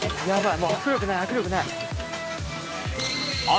もう握力ない握力ない。